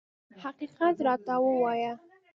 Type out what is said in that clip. حقیقت راته ووایه.